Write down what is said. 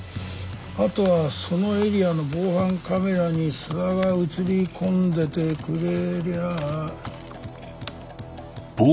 あとはそのエリアの防犯カメラに諏訪が写りこんでてくれりゃあ。